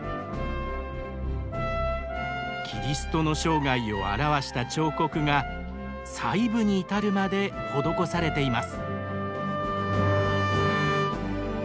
キリストの生涯を表した彫刻が細部に至るまで施されています。